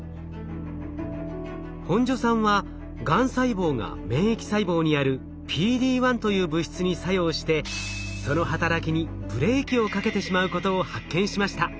本庶さんはがん細胞が免疫細胞にあるＰＤ−１という物質に作用してその働きにブレーキをかけてしまうことを発見しました。